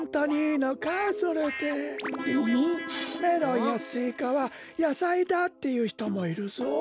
メロンやスイカはやさいだっていうひともいるぞ。